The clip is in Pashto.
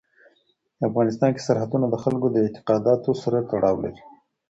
په افغانستان کې سرحدونه د خلکو د اعتقاداتو سره تړاو لري.